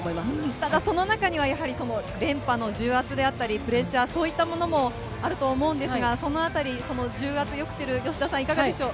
ただその中には、やはり連覇の重圧であったり、プレッシャー、そういったものもあると思うんですが、そのあたり、その重圧をよく知る吉田さん、どうでしょう。